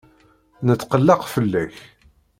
Netqelleq fell-ak.